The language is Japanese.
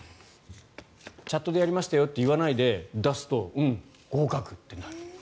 チャットでやりましたよって言わないで出すとうん、合格となる。